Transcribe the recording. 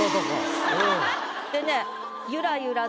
でね